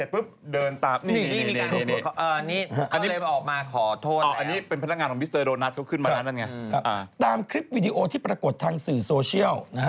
ตามคลิปวิดีโอที่ปรากฏทางสื่อโซเชียลนะฮะ